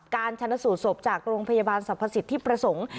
การชนะสูตรศพจากโรงพยาบาลสรรพสิทธิประสงค์